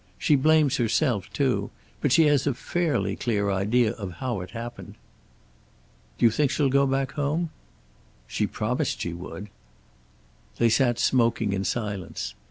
She blames herself, too, but she has a fairly clear idea of how it happened." "Do you think she'll go back home?" "She promised she would." They sat smoking in silence.